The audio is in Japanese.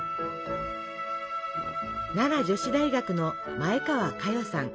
奈良女子大学の前川佳代さん。